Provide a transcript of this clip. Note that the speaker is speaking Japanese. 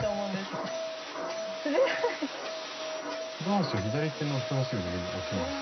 糸端を左手の人さし指の上に置きます。